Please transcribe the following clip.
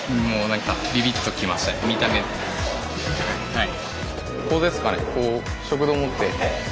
はい。